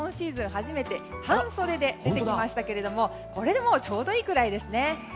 初めて半袖で出てきましたけどもこれでもちょうどいいぐらいですね。